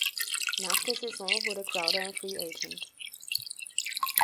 Nach der Saison wurde Crowder ein Free Agent.